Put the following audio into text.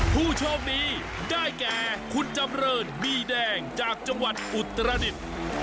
ผู้ช่องดีได้แกคุณจำเริดบี้แดงจากจังหวัดอุตรอนิด